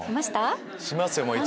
しますよ